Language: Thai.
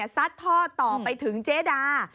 ซัดท่อต่อไปถึงเจดา